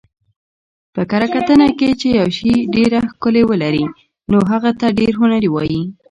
په کره کتنه کښي، چي یوشي ډېره ښکله ولري نو هغه ته ډېر هنري وايي.